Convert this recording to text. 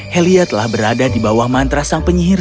helia telah berada di bawah mantra sang penyihir